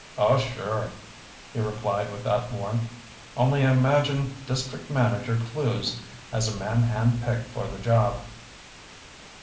"Oh, sure," he replied without warmth. "Only I imagine district manager, Clewes, has a man hand picked for the job."